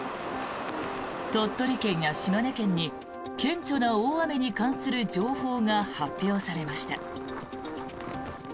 鳥取県や島根県に顕著な大雨に関する情報が発表されました。